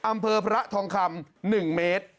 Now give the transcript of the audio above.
อำเภอพระทองคำ๑เมตร